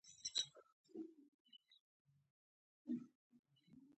هیلمټ ولې په سر کړو؟